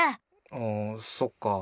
あそっか。